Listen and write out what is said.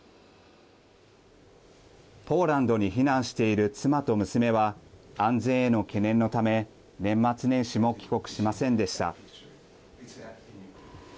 ポーランドに避難している妻と娘は安全への懸念のため年末年始も帰国しませんでした。